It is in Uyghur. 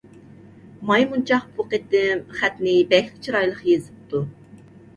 مايمۇنچاق بۇ قېتىم خەتنى بەكلا چىرايلىق يېزىپتۇ.